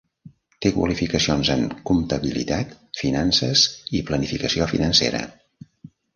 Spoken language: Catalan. Té qualificacions en comptabilitat, finances i planificació financera.